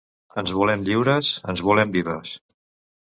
Ens volem lliures, ens volem vives.